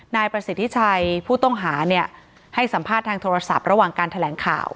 นายประสิทธิชัยผู้ต้องหาเนี่ยให้สัมภาษณ์ทางโทรศัพท์ระหว่างการแถลงข่าว